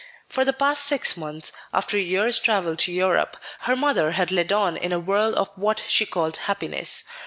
For the past six months, after a year's travel in Europe, her mother had led her on in a whirl of what she called happiness.